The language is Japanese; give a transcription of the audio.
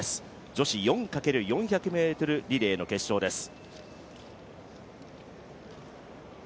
女子４×４００ｍリレーの決勝です。